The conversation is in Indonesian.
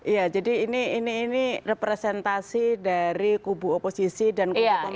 ya jadi ini representasi dari kubu oposisi dan kubu